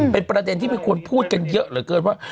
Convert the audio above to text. เป็นประเด็นที่มีคนพูดกันเยอะเหลือเกินว่า